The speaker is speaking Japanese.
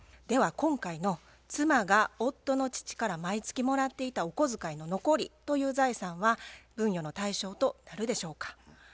では今回の妻が夫の父から毎月もらっていたお小遣いの残りという財産は分与の対象となるでしょうか。